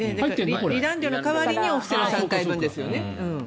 離檀料の代わりにお布施も３回分ですよね。